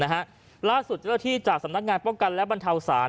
ล่าสุดเจ้าหน้าที่จากสำนักงานป้องกันและบรรเทาศาสต